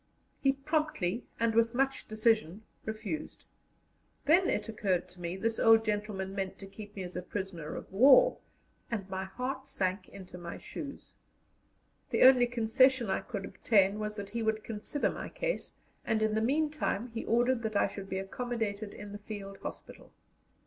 He promptly and with much decision refused. Then it occurred to me this old gentleman meant to keep me as a prisoner of war, and my heart sank into my shoes. The only concession I could obtain was that he would consider my case, and in the meantime he ordered that I should be accommodated in the field hospital.